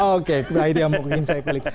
oke baik dia mungkinkan saya klik